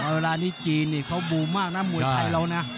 เวลานี้จีนเขาบูมมากนะมวยไทยเรานะ